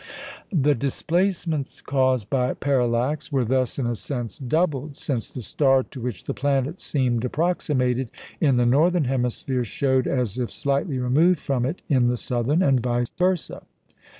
The displacements caused by parallax were thus in a sense doubled, since the star to which the planet seemed approximated in the northern hemisphere, showed as if slightly removed from it in the southern, and vice versâ.